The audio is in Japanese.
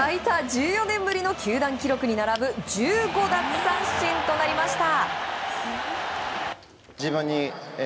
１４年ぶりの球団記録に並ぶ１５奪三振となりました。